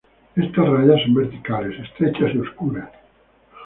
Estas rayas son verticales, estrechas y oscuras.